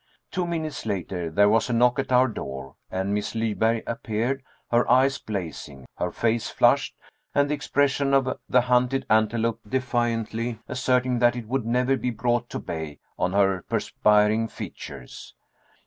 Two minutes later, there was a knock at our door and Miss Lyberg appeared, her eyes blazing, her face flushed and the expression of the hunted antelope defiantly asserting that it would never be brought to bay, on her perspiring features.